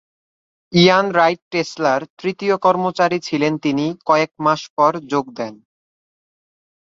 ইয়ান Wright টেসলার তৃতীয় কর্মচারী ছিলেন তিনি কয়েক মাস পরে যোগ দেন।